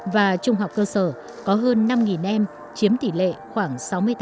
và trung học cơ sở có hơn năm em chiếm tỷ lệ khoảng sáu mươi tám